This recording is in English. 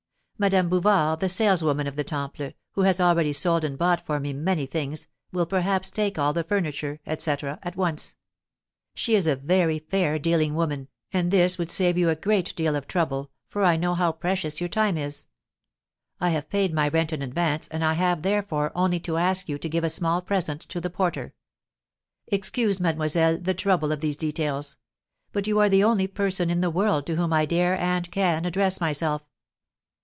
Madame Bouvard, the saleswoman of the Temple, who has already sold and bought for me many things, will perhaps take all the furniture, etc., at once. She is a very fair dealing woman, and this would save you a great deal of trouble, for I know how precious your time is. I have paid my rent in advance, and I have, therefore, only to ask you to give a small present to the porter. Excuse, mademoiselle, the trouble of these details; but you are the only person in the world to whom I dare and can address myself.